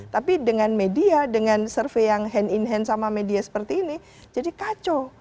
tapi dengan media dengan survei yang hand in hand sama media seperti ini jadi kacau